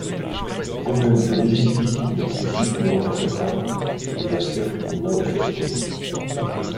Les problèmes de logistique mirent ceux-ci d’humeur massacrante et l’affaire tourna au fiasco.